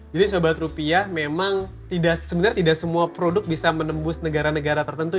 jadi sobat rupiah memang tidak semua produk bisa menembus negara negara tertentu